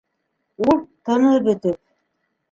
Ул, тыны бөтөп: